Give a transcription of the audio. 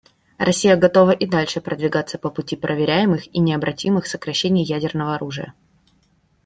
Россия готова и дальше продвигаться по пути проверяемых и необратимых сокращений ядерного оружия.